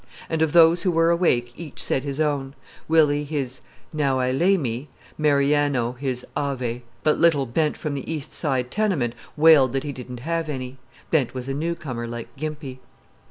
And of those who were awake each said his own: Willie his "Now I lay me," Mariano his "Ave," but little Bent from the Eastside tenement wailed that he didn't have any. Bent was a newcomer like Gimpy.